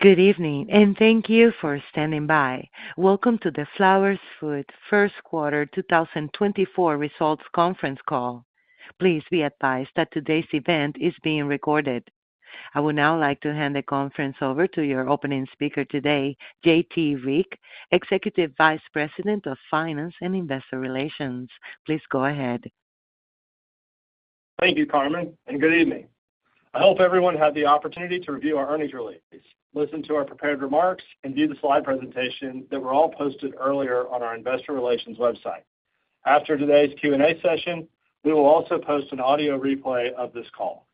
Good evening, and thank you for standing by. Welcome to the Flowers Foods First Quarter 2024 Results Conference Call. Please be advised that today's event is being recorded. I would now like to hand the conference over to your opening speaker today, J.T. Rieck, Executive Vice President of Finance and Investor Relations. Please go ahead. Thank you, Carmen, and good evening. I hope everyone had the opportunity to review our earnings release, listen to our prepared remarks, and view the slide presentation that were all posted earlier on our investor relations website. After today's Q&A session, we will also post an audio replay of this call.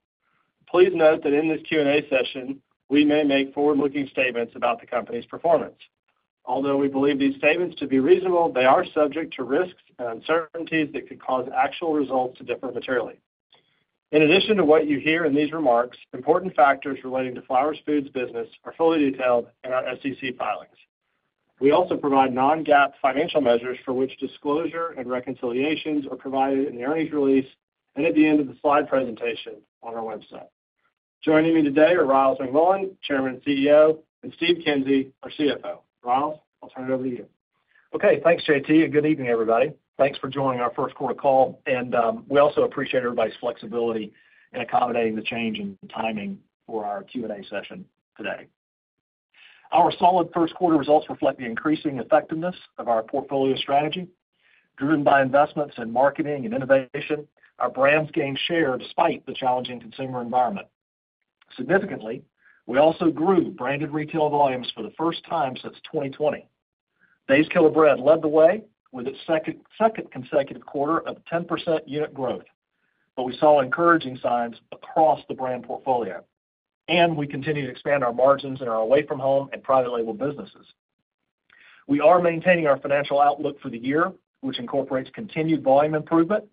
Please note that in this Q&A session, we may make forward-looking statements about the company's performance. Although we believe these statements to be reasonable, they are subject to risks and uncertainties that could cause actual results to differ materially. In addition to what you hear in these remarks, important factors relating to Flowers Foods business are fully detailed in our SEC filings. We also provide non-GAAP financial measures for which disclosure and reconciliations are provided in the earnings release and at the end of the slide presentation on our website. Joining me today are Ryals McMullian, Chairman, CEO, and Steve Kinsey, our CFO. Ryals, I'll turn it over to you. Okay, thanks, J.T., and good evening, everybody. Thanks for joining our first quarter call, and we also appreciate everybody's flexibility in accommodating the change in timing for our Q&A session today. Our solid first quarter results reflect the increasing effectiveness of our portfolio strategy, driven by investments in marketing and innovation. Our brands gain share despite the challenging consumer environment. Significantly, we also grew branded retail volumes for the first time since 2020. Dave's Killer Bread led the way with its second consecutive quarter of 10% unit growth, but we saw encouraging signs across the brand portfolio, and we continue to expand our margins in our away-from-home and private label businesses. We are maintaining our financial outlook for the year, which incorporates continued volume improvement,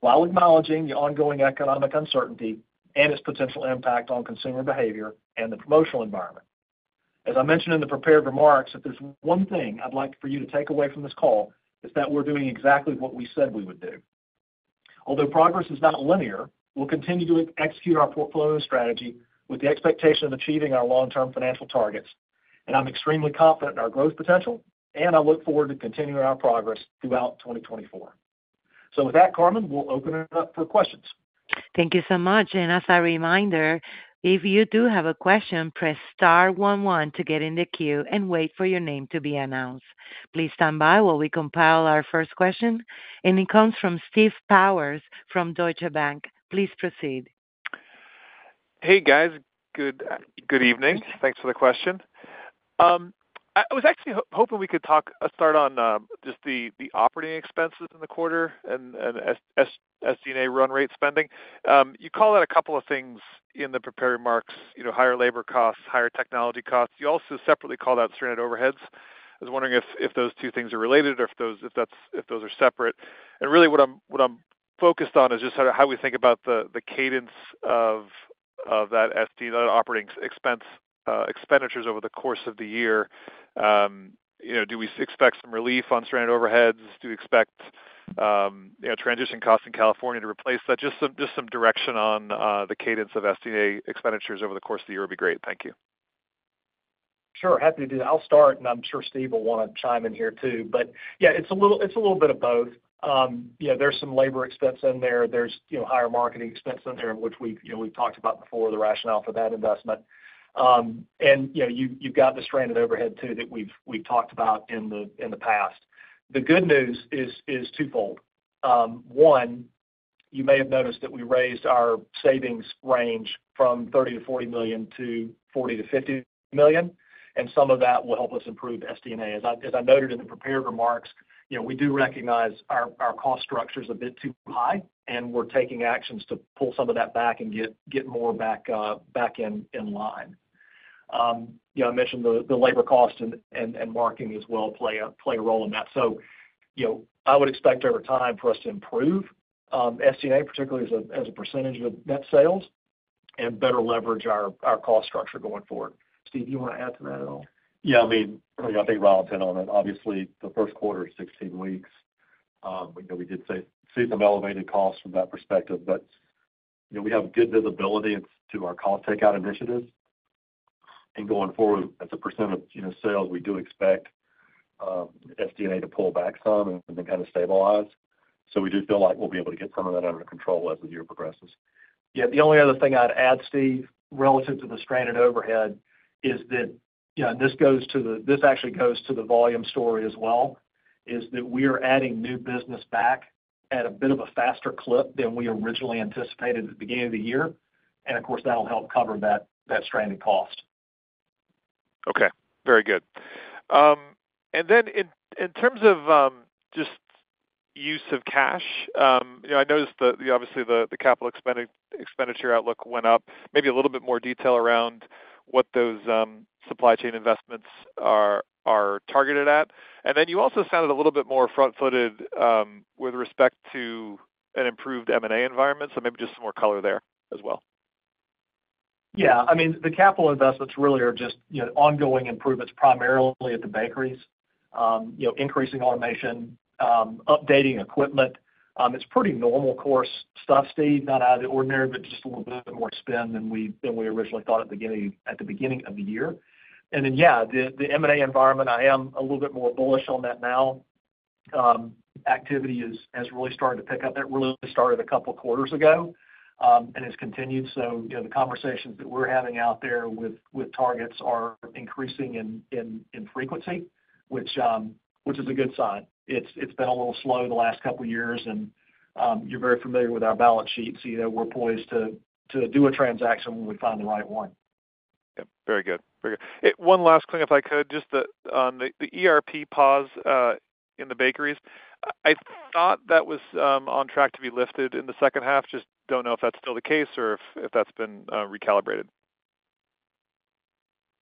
while acknowledging the ongoing economic uncertainty and its potential impact on consumer behavior and the promotional environment. As I mentioned in the prepared remarks, if there's one thing I'd like for you to take away from this call, is that we're doing exactly what we said we would do. Although progress is not linear, we'll continue to execute our portfolio strategy with the expectation of achieving our long-term financial targets, and I'm extremely confident in our growth potential, and I look forward to continuing our progress throughout 2024. So with that, Carmen, we'll open it up for questions. Thank you so much. As a reminder, if you do have a question, press star one one to get in the queue and wait for your name to be announced. Please stand by while we compile our first question, and it comes from Steve Powers from Deutsche Bank. Please proceed. Hey, guys. Good evening. Thanks for the question. I was actually hoping we could talk, start on just the operating expenses in the quarter and SD&A run rate spending. You call it a couple of things in the prepared remarks, you know, higher labor costs, higher technology costs. You also separately call out stranded overheads. I was wondering if those two things are related or if that's separate. And really, what I'm focused on is just how we think about the cadence of that SD, the operating expense expenditures over the course of the year. You know, do we expect some relief on stranded overheads? Do we expect, you know, transition costs in California to replace that? Just some direction on the cadence of SD&A expenditures over the course of the year would be great. Thank you. Sure, happy to do that. I'll start, and I'm sure Steve will wanna chime in here, too. But yeah, it's a little bit of both. You know, there's some labor expense in there. There's, you know, higher marketing expense in there, which we've, you know, we've talked about before the rationale for that investment. And, you know, you, you've got the stranded overhead, too, that we've, we've talked about in the, in the past. The good news is twofold. One, you may have noticed that we raised our savings range from $30 million-$40 million to $40 million-$50 million, and some of that will help us improve SD&A. As I, as I noted in the prepared remarks, you know, we do recognize our, our cost structure is a bit too high, and we're taking actions to pull some of that back and get, get more back, back in, in line. You know, I mentioned the, the labor cost and, and, and marketing as well, play a, play a role in that. So, you know, I would expect over time for us to improve, SD&A, particularly as a, as a percentage of net sales, and better leverage our, our cost structure going forward. Steve, do you want to add to that at all? Yeah, I mean, I think Ryals hit on it. Obviously, the first quarter is 16 weeks. You know, we did see some elevated costs from that perspective, but, you know, we have good visibility into our cost takeout initiatives. And going forward, as a percent of, you know, sales, we do expect SD&A to pull back some and then kind of stabilize. So we do feel like we'll be able to get some of that under control as the year progresses. Yeah, the only other thing I'd add, Steve, relative to the stranded overhead is that, you know, this actually goes to the volume story as well, is that we are adding new business back at a bit of a faster clip than we originally anticipated at the beginning of the year. Of course, that'll help cover that, that stranded cost. Okay, very good. And then in terms of just use of cash, you know, I noticed that obviously the capital expenditure outlook went up, maybe a little bit more detail around what those supply chain investments are targeted at. And then you also sounded a little bit more front-footed with respect to an improved M&A environment, so maybe just some more color there as well. Yeah, I mean, the capital investments really are just, you know, ongoing improvements, primarily at the bakeries. You know, increasing automation, updating equipment. It's pretty normal course stuff, Steve, not out of the ordinary, but just a little bit more spend than we, than we originally thought at the beginning, at the beginning of the year. And then, yeah, the M&A environment, I am a little bit more bullish on that now. Activity has really started to pick up. It really started a couple of quarters ago, and has continued. So, you know, the conversations that we're having out there with targets are increasing in frequency, which is a good sign. It's been a little slow the last couple of years, and you're very familiar with our balance sheet, so you know we're poised to do a transaction when we find the right one. Yep, very good. Very good. One last thing, if I could, just the, on the, the ERP pause in the bakeries. I thought that was on track to be lifted in the second half. Just don't know if that's still the case or if, if that's been recalibrated.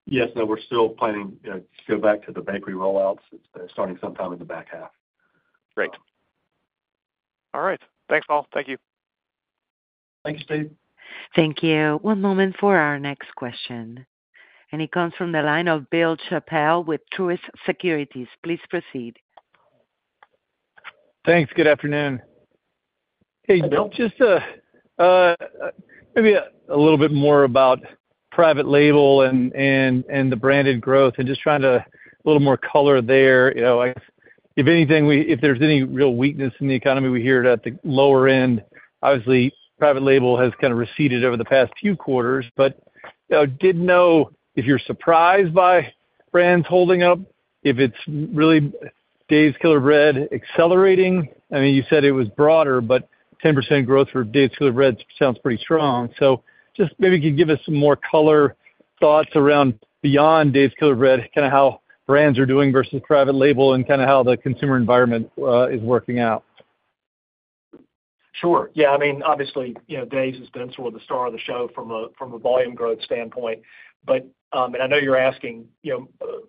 Yes. No, we're still planning, you know, to go back to the bakery rollouts, starting sometime in the back half. Great. All right. Thanks, all. Thank you. Thank you, Steve. Thank you. One moment for our next question, and it comes from the line of Bill Chappell with Truist Securities. Please proceed. Thanks. Good afternoon. Hey, Bill. Just maybe a little bit more about private label and the branded growth and just trying to a little more color there. You know, I guess, if anything, if there's any real weakness in the economy, we hear it at the lower end. Obviously, private label has kind of receded over the past few quarters, but didn't know if you're surprised by brands holding up, if it's really Dave's Killer Bread accelerating. I mean, you said it was broader, but 10% growth for Dave's Killer Bread sounds pretty strong. So just maybe you could give us some more color thoughts around beyond Dave's Killer Bread, kind of how brands are doing versus private label and kind of how the consumer environment is working out. Sure. Yeah, I mean, obviously, you know, Dave's has been sort of the star of the show from a volume growth standpoint. But, and I know you're asking, you know,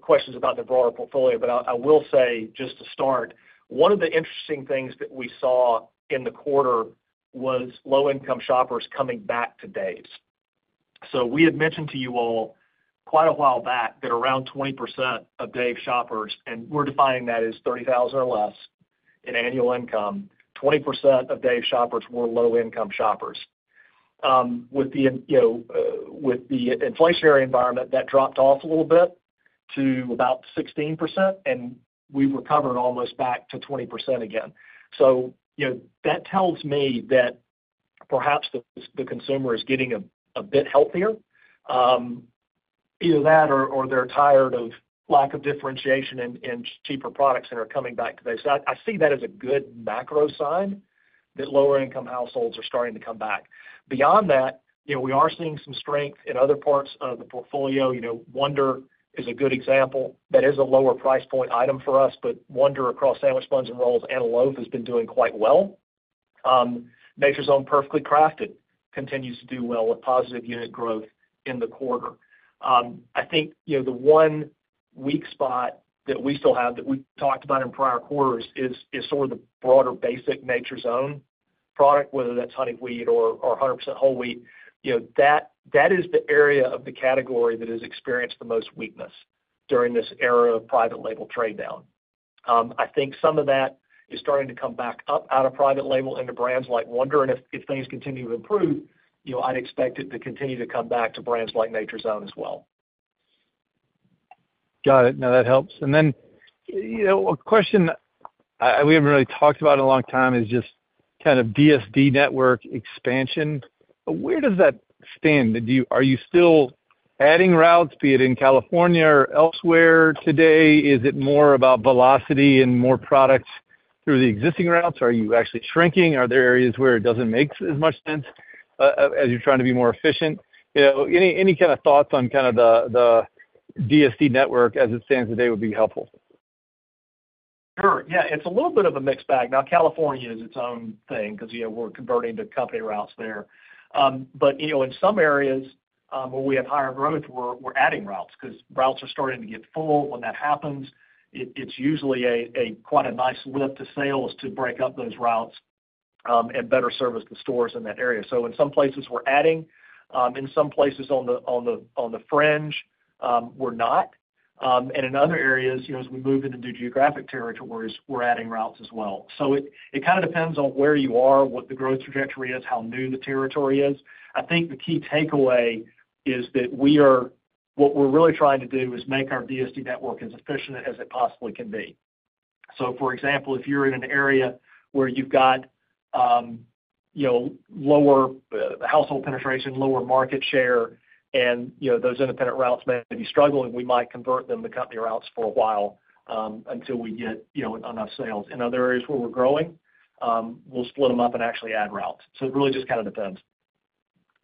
questions about the broader portfolio, but I, I will say, just to start, one of the interesting things that we saw in the quarter was low-income shoppers coming back to Dave's. So we had mentioned to you all quite a while back that around 20% of Dave's shoppers, and we're defining that as $30,000 or less in annual income, 20% of Dave's shoppers were low-income shoppers. With the, you know, with the inflationary environment, that dropped off a little bit to about 16%, and we've recovered almost back to 20% again. So, you know, that tells me that perhaps the consumer is getting a bit healthier. Either that or they're tired of lack of differentiation in cheaper products and are coming back to Dave's. I see that as a good macro sign, that lower income households are starting to come back. Beyond that, you know, we are seeing some strength in other parts of the portfolio. You know, Wonder is a good example. That is a lower price point item for us, but Wonder across sandwich buns and rolls and loaf has been doing quite well. Nature's Own Perfectly Crafted continues to do well with positive unit growth in the quarter. I think, you know, the one weak spot that we still have that we've talked about in prior quarters is sort of the broader basic Nature's Own product, whether that's honey wheat or 100% whole wheat. You know, that, that is the area of the category that has experienced the most weakness during this era of private label trade down. I think some of that is starting to come back up out of private label into brands like Wonder, and if, if things continue to improve, you know, I'd expect it to continue to come back to brands like Nature's Own as well. Got it. Now, that helps. And then, you know, a question we haven't really talked about in a long time is just kind of DSD network expansion. Where does that stand? Do you, are you still adding routes, be it in California or elsewhere today? Is it more about velocity and more products through the existing routes? Are you actually shrinking? Are there areas where it doesn't make as much sense as you're trying to be more efficient? You know, any kind of thoughts on kind of the DSD network as it stands today would be helpful. Sure. Yeah, it's a little bit of a mixed bag. Now, California is its own thing because, you know, we're converting to company routes there. But, you know, in some areas, where we have higher growth, we're adding routes because routes are starting to get full. When that happens, it's usually quite a nice lift to sales to break up those routes, and better service the stores in that area. So in some places, we're adding, in some places on the fringe, we're not. And in other areas, you know, as we move into new geographic territories, we're adding routes as well. So it kind of depends on where you are, what the growth trajectory is, how new the territory is. I think the key takeaway is that we are what we're really trying to do is make our DSD network as efficient as it possibly can be. So, for example, if you're in an area where you've got you know lower household penetration, lower market share, and you know those independent routes may be struggling, we might convert them to company routes for a while until we get you know enough sales. In other areas where we're growing, we'll split them up and actually add routes. So it really just kind of depends.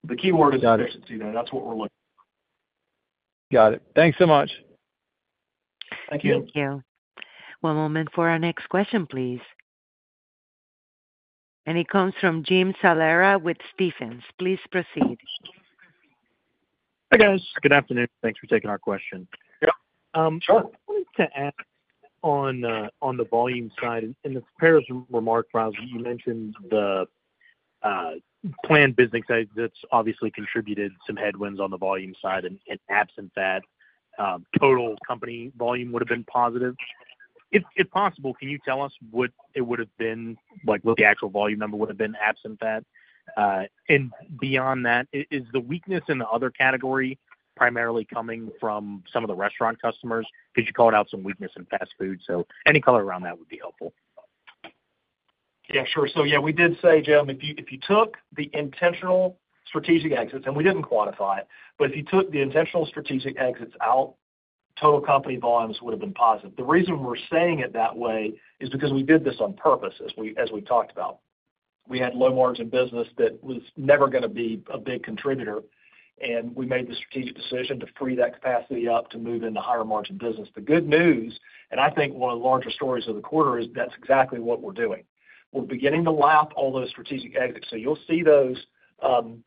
The keyword is efficiency, though. That's what we're looking for. Got it. Thanks so much. Thank you. Thank you. One moment for our next question, please. It comes from Jim Salera with Stephens. Please proceed. Hi, guys. Good afternoon. Thanks for taking our question. Yep, sure. I wanted to add on, on the volume side, in the prepared remarks, you mentioned the planned business that, that's obviously contributed some headwinds on the volume side, and absent that, total company volume would have been positive. If possible, can you tell us what it would have been, like, what the actual volume number would have been absent that? And beyond that, is the weakness in the other category primarily coming from some of the restaurant customers? Because you called out some weakness in fast food, so any color around that would be helpful. Yeah, sure. So yeah, we did say, Jim, if you, if you took the intentional strategic exits, and we didn't quantify it, but if you took the intentional strategic exits out, total company volumes would have been positive. The reason we're saying it that way is because we did this on purpose, as we, as we talked about. We had low margin business that was never gonna be a big contributor, and we made the strategic decision to free that capacity up to move into higher margin business. The good news, and I think one of the larger stories of the quarter, is that's exactly what we're doing. We're beginning to lap all those strategic exits. So you'll see those,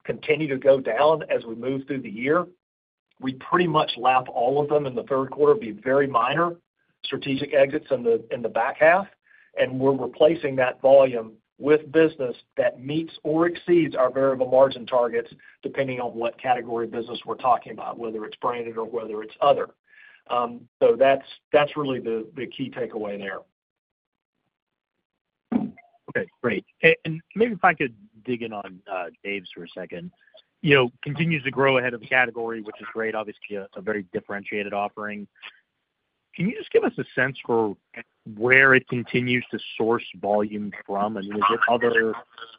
continue to go down as we move through the year. We pretty much lap all of them in the third quarter, there'll be very minor strategic exits in the back half, and we're replacing that volume with business that meets or exceeds our variable margin targets, depending on what category of business we're talking about, whether it's branded or whether it's other. So that's really the key takeaway there. Okay, great. And maybe if I could dig in on Dave's for a second. You know, continues to grow ahead of the category, which is great. Obviously, a very differentiated offering. Can you just give us a sense for where it continues to source volume from? I mean, is it other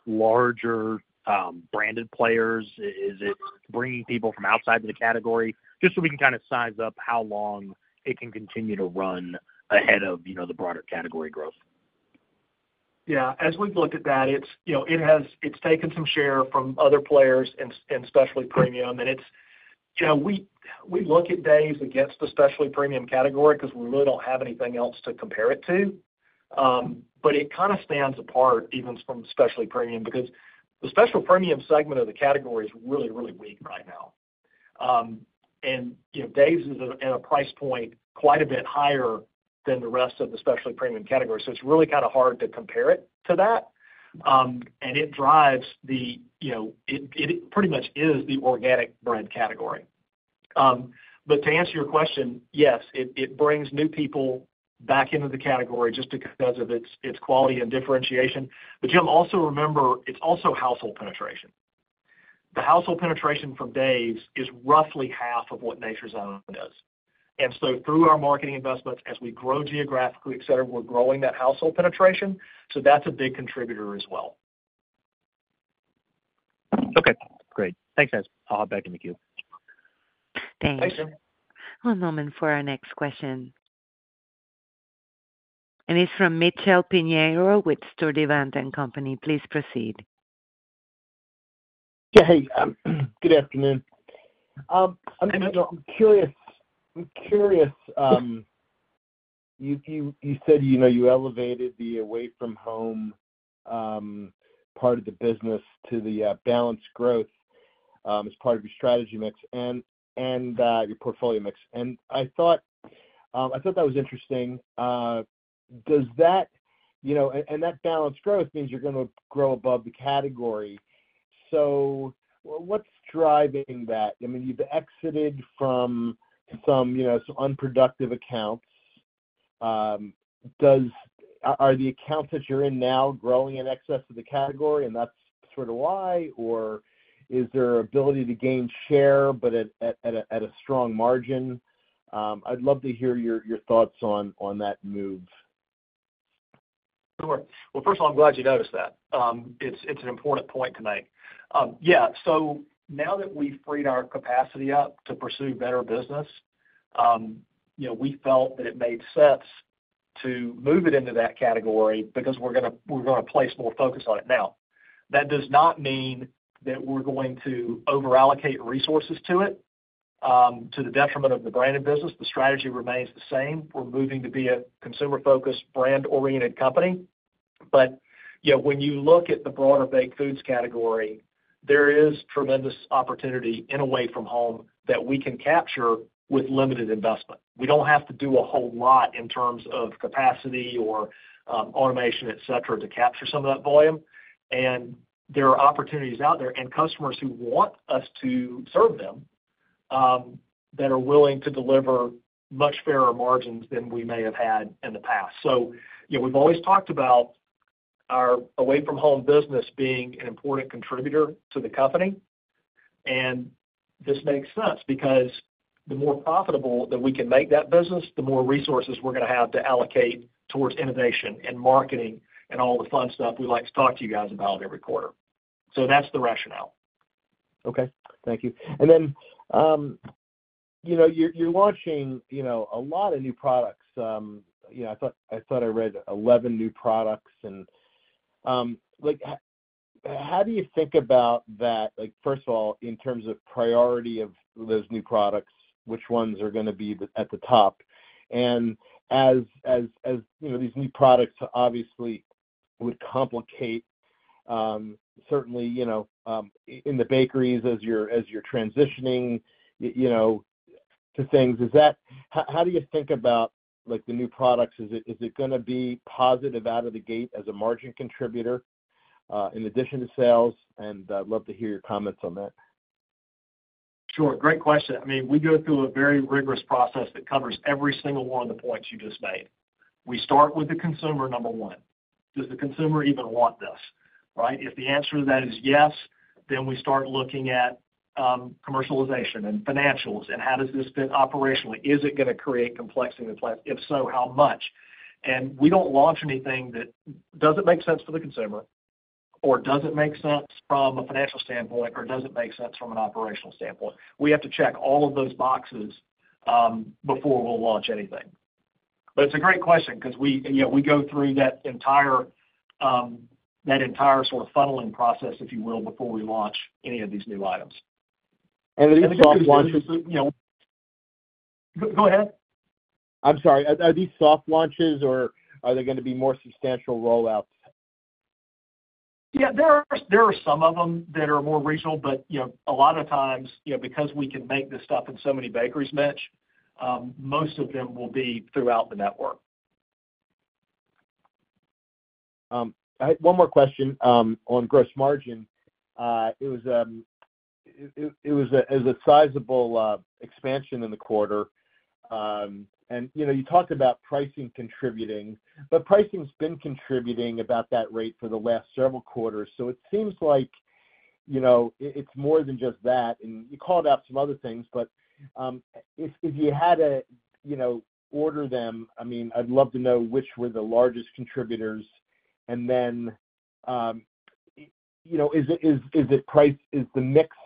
larger branded players? Is it bringing people from outside of the category? Just so we can kind of size up how long it can continue to run ahead of, you know, the broader category growth. Yeah. As we've looked at that, it's, you know, it has—it's taken some share from other players and specialty premium, and it's—Jim, we look at Dave's against the specialty premium category because we really don't have anything else to compare it to. But it kind of stands apart even from specialty premium because the specialty premium segment of the category is really, really weak right now. And, you know, Dave's is at a price point quite a bit higher than the rest of the specialty premium category, so it's really kind of hard to compare it to that. And it drives the, you know—it pretty much is the organic brand category. But to answer your question, yes, it brings new people back into the category just because of its quality and differentiation. But Jim, also remember, it's also household penetration. The household penetration for Dave's is roughly half of what Nature's Own does. And so through our marketing investments, as we grow geographically, et cetera, we're growing that household penetration, so that's a big contributor as well. Okay, great. Thanks, guys. I'll hop back in the queue. Thanks. Thanks, Jim. One moment for our next question. It's from Mitchell Pinheiro with Sturdivant & Co. Please proceed. Yeah, hey, good afternoon. I'm curious. You said, you know, you elevated the away-from-home part of the business to the balanced growth as part of your strategy mix and your portfolio mix. And I thought that was interesting. Does that—you know, and that balanced growth means you're gonna grow above the category. So what's driving that? I mean, you've exited from some unproductive accounts. Are the accounts that you're in now growing in excess of the category, and that's sort of why? Or is there ability to gain share, but at a strong margin? I'd love to hear your thoughts on that move. Sure. Well, first of all, I'm glad you noticed that. It's an important point to make. Yeah, so now that we've freed our capacity up to pursue better business, you know, we felt that it made sense to move it into that category because we're gonna place more focus on it. Now, that does not mean that we're going to over-allocate resources to it to the detriment of the branded business. The strategy remains the same. We're moving to be a consumer-focused, brand-oriented company. But, you know, when you look at the broader baked foods category, there is tremendous opportunity in away from home that we can capture with limited investment. We don't have to do a whole lot in terms of capacity or automation, et cetera, to capture some of that volume. There are opportunities out there and customers who want us to serve them that are willing to deliver much fairer margins than we may have had in the past. So, you know, we've always talked about our away-from-home business being an important contributor to the company. And this makes sense, because the more profitable that we can make that business, the more resources we're gonna have to allocate towards innovation and marketing and all the fun stuff we like to talk to you guys about every quarter. So that's the rationale. Okay, thank you. And then, you know, you're launching, you know, a lot of new products. You know, I thought I read 11 new products and, like, how do you think about that, like, first of all, in terms of priority of those new products, which ones are gonna be the at the top? And as you know, these new products obviously would complicate, certainly, you know, in the bakeries as you're transitioning, you know, to things. How do you think about, like, the new products? Is it going to be positive out of the gate as a margin contributor, in addition to sales? And I'd love to hear your comments on that. Sure. Great question. I mean, we go through a very rigorous process that covers every single one of the points you just made. We start with the consumer, number one. Does the consumer even want this, right? If the answer to that is yes, then we start looking at commercialization and financials, and how does this fit operationally? Is it going to create complexity in the plan? If so, how much? And we don't launch anything that doesn't make sense for the consumer or doesn't make sense from a financial standpoint, or doesn't make sense from an operational standpoint. We have to check all of those boxes before we'll launch anything. But it's a great question because we, you know, we go through that entire sort of funneling process, if you will, before we launch any of these new items. Are these soft launches? Go ahead. I'm sorry. Are these soft launches, or are they going to be more substantial rollouts? Yeah, there are some of them that are more regional, but, you know, a lot of times, you know, because we can make this stuff in so many bakeries, Mitch, most of them will be throughout the network. I have one more question on gross margin. It was a sizable expansion in the quarter. And, you know, you talked about pricing contributing, but pricing's been contributing about that rate for the last several quarters. So it seems like, you know, it's more than just that, and you called out some other things. But if you had to, you know, order them, I mean, I'd love to know which were the largest contributors. And then, you know, is it price—is the mix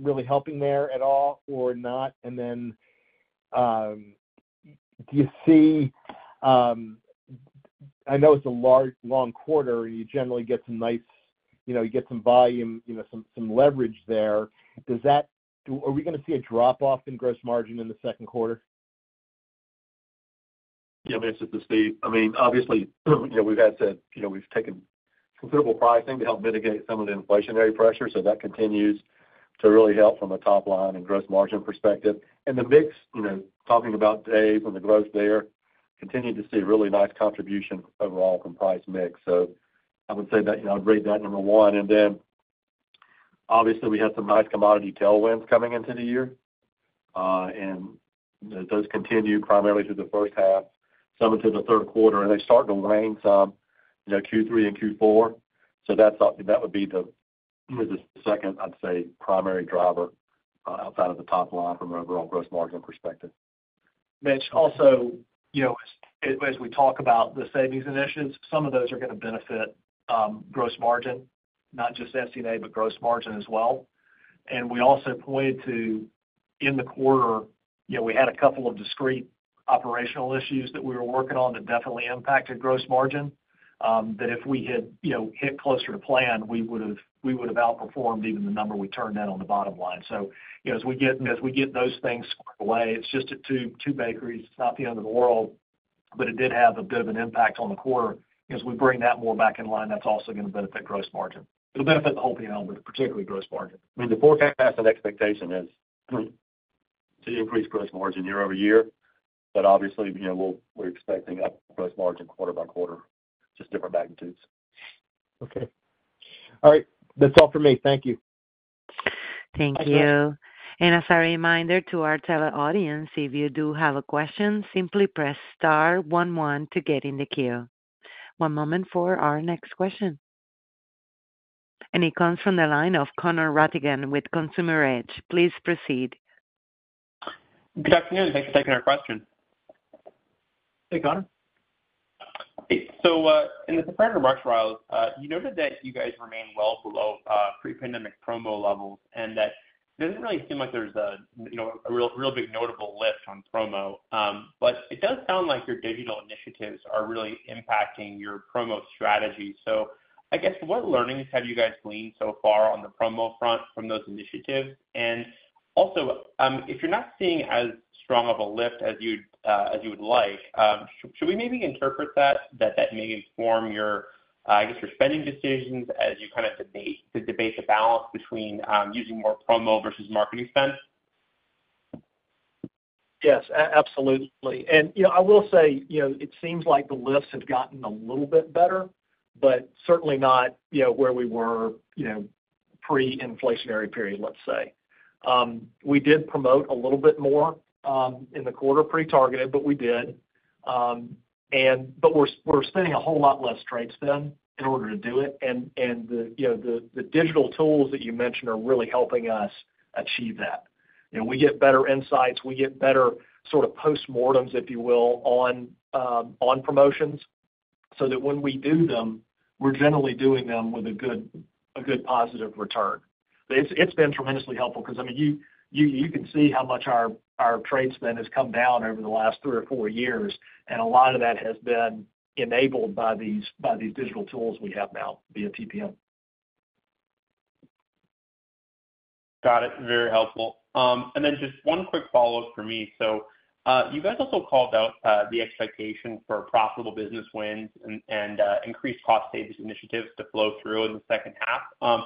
really helping there at all or not? And then, do you see, I know it's a large, long quarter, you generally get some nice, you know, you get some volume, you know, some leverage there. Are we going to see a drop-off in gross margin in the second quarter? Yeah, Mitch, this is Steve. I mean, obviously, you know, we've had to, you know, we've taken considerable pricing to help mitigate some of the inflationary pressures, so that continues to really help from a top line and gross margin perspective. And the mix, you know, talking about Dave and the growth there, continue to see really nice contribution overall from price mix. So I would say that, you know, I'd rate that number one. And then, obviously, we had some nice commodity tailwinds coming into the year, and those continue primarily through the first half, some into the third quarter, and they start to wane some, you know, Q3 and Q4. So that's something, that would be the, the second, I'd say, primary driver, outside of the top line from an overall gross margin perspective. Mitch, also, you know, as we talk about the savings initiatives, some of those are going to benefit gross margin, not just SD&A, but gross margin as well. And we also pointed to, in the quarter, you know, we had a couple of discrete operational issues that we were working on that definitely impacted gross margin, that if we had, you know, hit closer to plan, we would have, we would have outperformed even the number we turned out on the bottom line. So, you know, as we get those things squared away, it's just at 2, 2 bakeries, it's not the end of the world, but it did have a bit of an impact on the quarter. As we bring that more back in line, that's also going to benefit gross margin. It'll benefit the whole P&L, but particularly gross margin. I mean, the forecast and expectation is to increase gross margin year-over-year, but obviously, you know, we're expecting a gross margin quarter by quarter, just different magnitudes. Okay. All right. That's all for me. Thank you. Thank you. And as a reminder to our teleaudience, if you do have a question, simply press star one one to get in the queue. One moment for our next question. And it comes from the line of Connor Rattigan with Consumer Edge. Please proceed. Good afternoon. Thanks for taking our question. Hey, Conor. So, in the prepared remarks, Ryals, you noted that you guys remain well below pre-pandemic promo levels, and that it doesn't really seem like there's a, you know, a real, real big notable lift on promo. But it does sound like your digital initiatives are really impacting your promo strategy. So I guess, what learnings have you guys gleaned so far on the promo front from those initiatives? And also, if you're not seeing as strong of a lift as you'd, as you would like, should we maybe interpret that that may inform your, I guess, your spending decisions as you kind of debate the balance between using more promo versus marketing spend? Yes, absolutely. And, you know, I will say, you know, it seems like the lifts have gotten a little bit better, but certainly not, you know, where we were, you know, pre-inflationary period, let's say. We did promote a little bit more in the quarter, pretty targeted, but we did. And but we're spending a whole lot less trade spend in order to do it. And, you know, the digital tools that you mentioned are really helping us achieve that. You know, we get better insights, we get better sort of postmortems, if you will, on promotions, so that when we do them, we're generally doing them with a good positive return. It's been tremendously helpful because, I mean, you can see how much our trade spend has come down over the last three or four years, and a lot of that has been enabled by these digital tools we have now via TPM. Got it. Very helpful. And then just one quick follow-up for me. So, you guys also called out the expectation for profitable business wins and increased cost savings initiatives to flow through in the second half.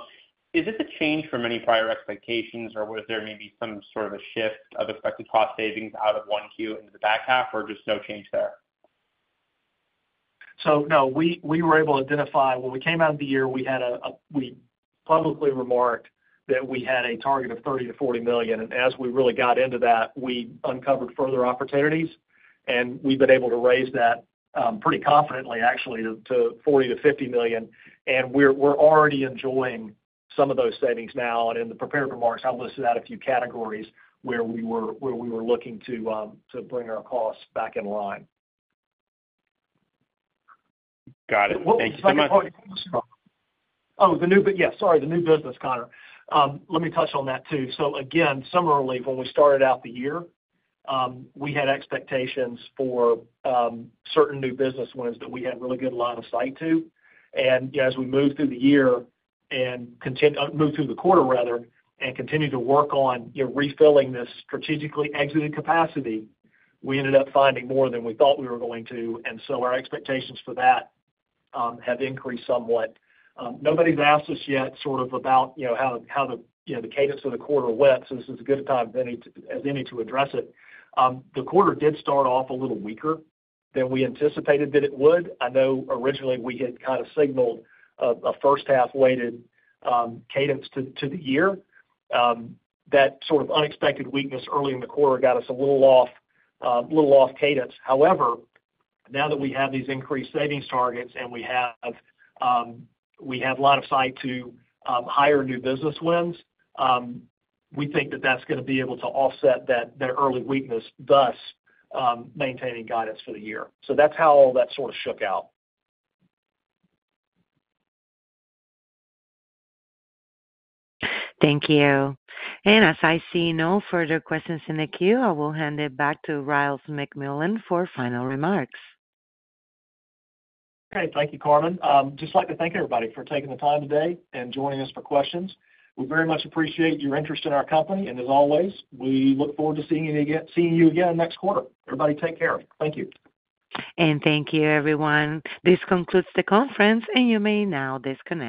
Is this a change from any prior expectations, or was there maybe some sort of a shift of expected cost savings out of one Q into the back half, or just no change there? So no, we were able to identify. When we came out of the year, we had a target of $30 million-$40 million, and as we really got into that, we uncovered further opportunities, and we've been able to raise that pretty confidently, actually, to $40 million-$50 million. And we're already enjoying some of those savings now. And in the prepared remarks, I listed out a few categories where we were looking to bring our costs back in line. Got it. Thank you so much. But yes, sorry, the new business, Connor. Let me touch on that, too. So again, similarly, when we started out the year, we had expectations for certain new business wins that we had really good line of sight to. And as we moved through the year and moved through the quarter, rather, and continued to work on, you know, refilling this strategically exited capacity, we ended up finding more than we thought we were going to, and so our expectations for that have increased somewhat. Nobody's asked us yet sort of about, you know, how the cadence of the quarter went, so this is a good time, if any, as any to address it. The quarter did start off a little weaker than we anticipated that it would. I know originally we had kind of signaled a first half weighted cadence to the year. That sort of unexpected weakness early in the quarter got us a little off, a little off cadence. However, now that we have these increased savings targets and we have line of sight to higher new business wins, we think that that's gonna be able to offset that early weakness, thus maintaining guidance for the year. So that's how all that sort of shook out. Thank you. As I see no further questions in the queue, I will hand it back to Ryals McMullian for final remarks. Okay. Thank you, Carmen. Just like to thank everybody for taking the time today and joining us for questions. We very much appreciate your interest in our company, and as always, we look forward to seeing you again, seeing you again next quarter. Everybody, take care. Thank you. Thank you, everyone. This concludes the conference, and you may now disconnect.